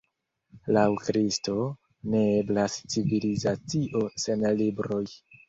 Laŭ Kristo, ne eblas civilizacio sen libroj.